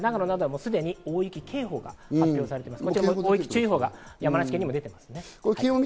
長野などはすでに大雪警報が発表されています。